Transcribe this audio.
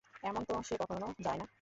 এমন তো সে কখনো যায় না।